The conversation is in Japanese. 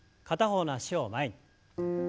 片方の脚を前に。